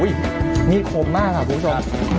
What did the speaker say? นี่คมมากค่ะคุณผู้ชม